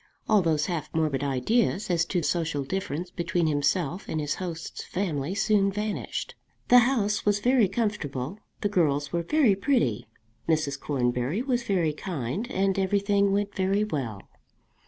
All those half morbid ideas as to social difference between himself and his host's family soon vanished. The house was very comfortable, the girls were very pretty, Mrs. Cornbury was very kind, and everything went very well.